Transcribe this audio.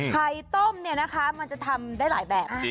ไข่ต้มเนี่ยนะคะมันจะทำได้หลายแบบ